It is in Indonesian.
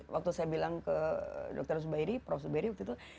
waktu saya bilang ke prof subairi waktu itu